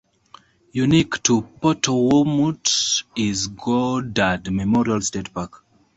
Unique to Potowomut is Goddard Memorial State Park.